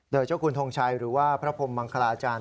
โดยเจ้าคุณทงชัยหรือว่าพระพรมมังคลาอาจารย์